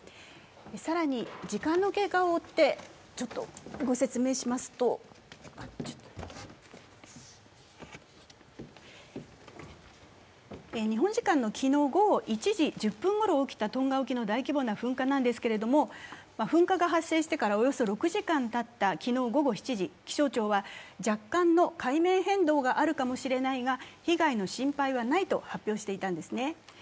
更に時間の経過を追ってご説明しますと、日本時間の昨日午後１時１０分ごろ起きたトンガ沖の大規模な噴火なんですけれども噴火が発生してからおよそ６時間がたった昨日午後７時、気象庁は若干の海面変動があるかもしれないが被害の心配はないと発表していたんですね。